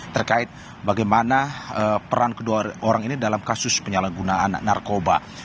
terkait bagaimana peran kedua orang ini dalam kasus penyalahgunaan narkoba